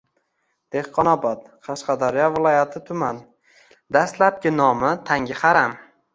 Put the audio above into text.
Dehqonobod – Qashqadaryo viloyati tuman. Dastlabki nomi Tangiharam.